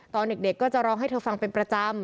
ตอนเด็กก็จะร้องให้เธอฟังเป็นประจำ